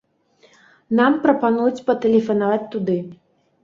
Нам прапануюць патэлефанаваць туды.